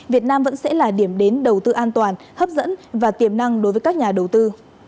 việt nam vẫn sẽ là điểm đến đầu tư an toàn hấp dẫn và tiềm năng đối với các nhà đầu tư